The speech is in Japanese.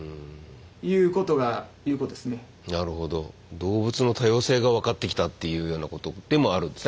動物の多様性が分かってきたというようなことでもあるんですね。